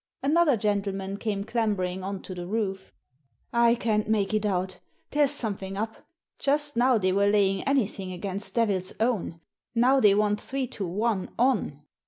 Another gentleman came clambering on to the roof. " I can't make it out There's something up. Just now they were laying anything against Devil's Own. Now they want three to one on."